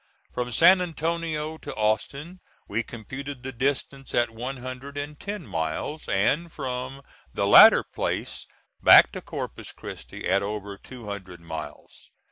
From San Antonio to Austin we computed the distance at one hundred and ten miles, and from the latter place back to Corpus Christi at over two hundred miles.